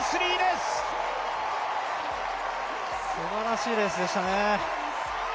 すばらしいレースでしたね。